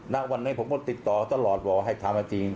ณวันนี้ผมก็ติดต่อตลอดบอกให้ทำมาจริง